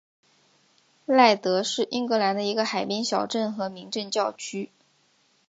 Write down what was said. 赖德是英格兰的一个海滨小镇和民政教区。